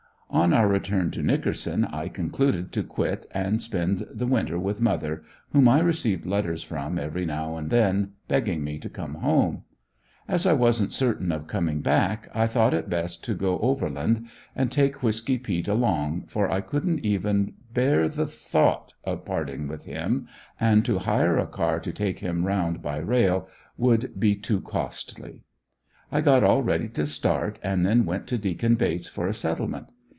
On our return to Nickerson, I concluded to quit and spend the winter with mother, whom I received letters from every now and then begging me to come home. As I wasn't certain of coming back, I thought it best to go overland and take Whisky peet along, for I couldn't even bear the thought of parting with him; and to hire a car to take him around by rail would be too costly. I got all ready to start and then went to Deacon Bates for a settlement.